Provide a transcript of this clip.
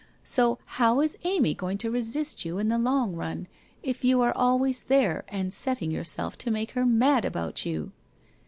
So how is Amy going to resist you in the long run, if you are always there, and setting yourself to make her mad about you